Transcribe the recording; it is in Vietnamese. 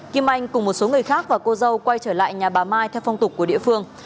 kim anh cùng một số người khác và cô dâu quay trở lại nhà bà mai theo phong tục của địa phương